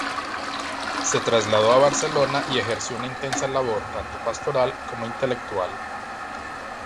Se trasladó a Barcelona y ejerció una intensa labor tanto pastoral como intelectual.